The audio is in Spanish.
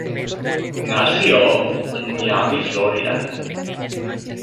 Nació en Miami, Florida.